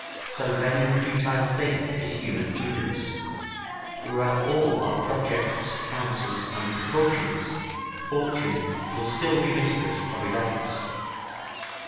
] so vain and futile a thing is human prudence; throughout all our projects, counsels and precautions, Fortune will still be mistress of events.